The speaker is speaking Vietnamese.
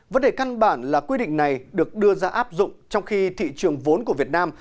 vấn đề căn bản là quy định này được đưa ra áp dụng trong khi thị trường vốn của việt nam